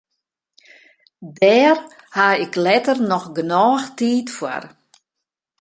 Dêr haw ik letter noch genôch tiid foar.